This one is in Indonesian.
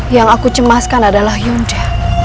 yang aku cemaskan adalah hyunce